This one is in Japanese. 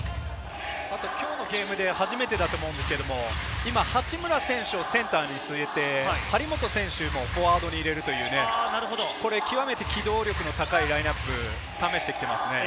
今日のゲームで初めてだと思うんですが、八村選手をセンターにすえて張本選手もフォワードに入れるという、極めて機動力の高いラインナップを試してきていますね。